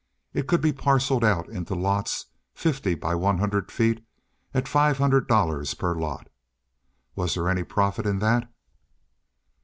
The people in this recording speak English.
It could be parceled out into lots fifty by one hundred feet at five hundred dollars per lot. Was there any profit in that?